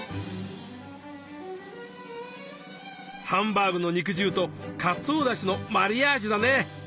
ハンバーグの肉汁とかつおだしのマリアージュだね。